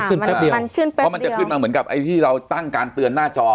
แป๊บเดียวเพราะมันจะขึ้นมาเหมือนกับไอ้ที่เราตั้งการเตือนหน้าจอ